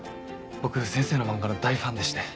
僕先生の漫画の大ファンでして。